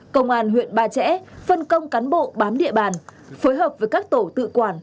công an huyện ba trẻ phân công cán bộ bám địa bàn phối hợp với các tổ tự quản